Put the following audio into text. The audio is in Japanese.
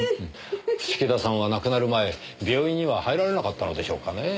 伏木田さんは亡くなる前病院には入られなかったのでしょうかねぇ。